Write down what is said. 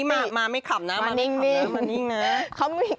อันนี้มาไม่ขำนะมานิ่งนะ